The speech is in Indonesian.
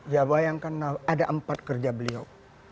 ya bayangkanlah ada empat kerja beliau